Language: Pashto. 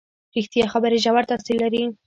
ریښتیا خبرې ژور تاثیر لري.